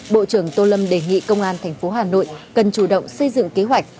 bộ trưởng tô lâm đề nghị công an tp hà nội cần chủ động xây dựng kế hoạch